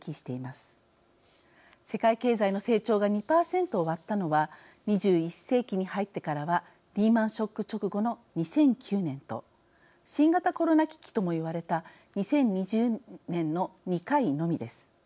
世界経済の成長が２％を割ったのは２１世紀に入ってからはリーマンショック直後の２００９年と新型コロナ危機ともいわれた２０２０年の２回のみです。